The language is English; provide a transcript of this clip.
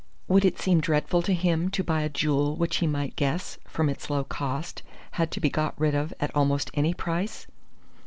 Would it seem dreadful to him to buy a jewel which he might guess, from its low cost, had to be got rid of at almost any price?